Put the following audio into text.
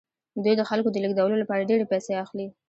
دوی د خلکو د لیږدولو لپاره ډیرې پیسې اخلي